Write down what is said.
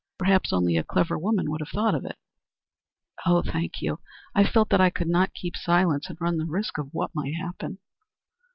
Perhaps only a clever woman would have thought of it." "Oh, thank you. I felt that I could not keep silence, and run the risk of what might happen."